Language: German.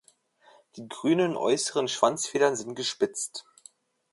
Die grünen äußeren Schwanzfedern sind gespitzt.